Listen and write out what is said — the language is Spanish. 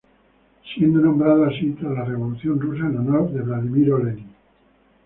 Sería nombrado así tras la Revolución rusa en honor de Vladímir Lenin.